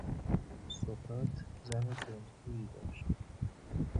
سقراط زن تندخویی داشت